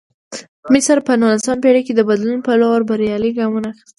مصر په نولسمه پېړۍ کې د بدلون په لور بریالي ګامونه اخیستل.